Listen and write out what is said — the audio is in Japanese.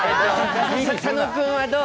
佐野君はどう？